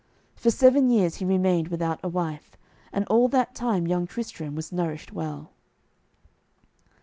For seven years he remained without a wife, and all that time young Tristram was nourished well.